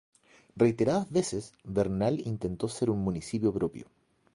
Reiteradas veces, Bernal intentó ser un municipio propio.